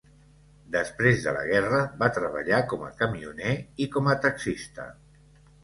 Després de la guerra va treballar com a camioner i com a taxista.